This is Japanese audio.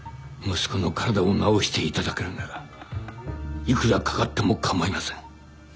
息子の体を治していただけるなら幾らかかっても構いません。